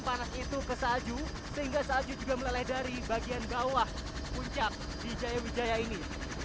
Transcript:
panas itu ke salju sehingga salju juga meleleh dari bagian bawah puncak di jaya wijaya ini